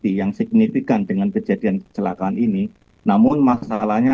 teknis yang berarti yang signifikan dengan kejadian kecelakaan ini namun masalahnya